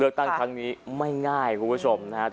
เลือกตั้งทางนี้ไม่ง่ายคุณผู้ชมนะครับ